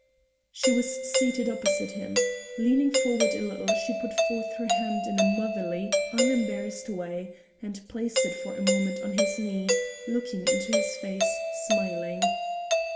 She was seated opposite him. Leaning forward a little, she put forth her hand in a motherly, unembarrassed way, and placed it for a moment on his knee, looking into his face, smiling.